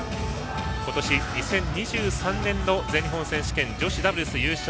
今年２０２３年の全日本選手権女子ダブルス優勝。